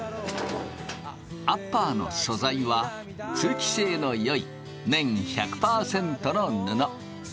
アッパーの素材は通気性のよい綿１００％の布。